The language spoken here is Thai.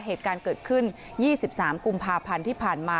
เหตุการณ์เกิดขึ้น๒๓กุมภาพันธ์ที่ผ่านมา